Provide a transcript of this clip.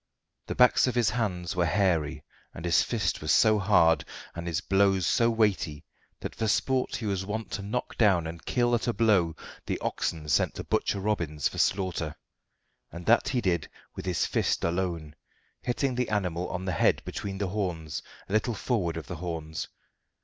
The backs of his hands were hairy, and his fist was so hard, and his blows so weighty, that for sport he was wont to knock down and kill at a blow the oxen sent to Butcher Robbins for slaughter, and that he did with his fist alone, hitting the animal on the head between the horns, a little forward of the horns.